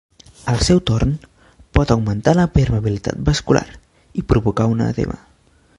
Al seu torn, pot augmentar la permeabilitat vascular i provocar un edema.